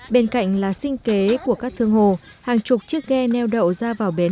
bên cạnh là sinh kế của các thương hồ hàng chục chiếc ghe neo đậu ra vào bến